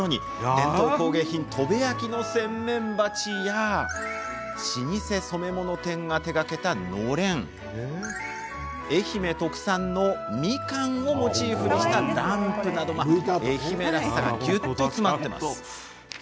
伝統工芸品・砥部焼の洗面鉢や老舗染め物店が手がけた、のれん愛媛特産のみかんをモチーフにしたランプなど愛媛らしさがぎゅっと詰まっています。